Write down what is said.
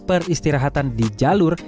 peristirahatan di jalur